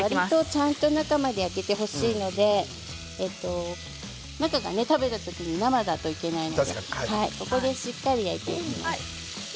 ちゃんと中まで焼けてほしいので食べた時に生だといけないのでここでしっかり焼いていきます。